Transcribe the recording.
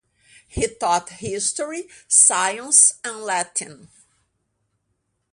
He taught history, science and Latin.